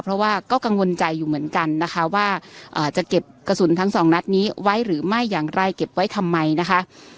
เพราะว่าก็กังวลใจอยู่เหมือนกันนะคะว่าจะเก็บกระสุนทั้งสองนัดนี้ไว้หรือไม่อย่างไรเก็บไว้ทำไมนะคะ